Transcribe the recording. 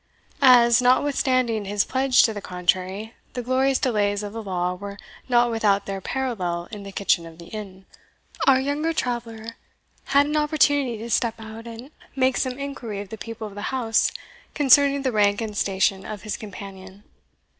As, notwithstanding his pledge to the contrary, the glorious delays of the law were not without their parallel in the kitchen of the inn, our younger traveller had an opportunity to step out and make some inquiry of the people of the house concerning the rank and station of his companion.